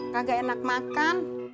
kagak enak makan